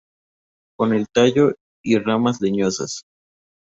Con el tallo y ramas leñosas.